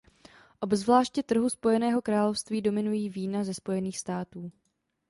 Obzvláště trhu Spojeného království dominují vína ze Spojených států.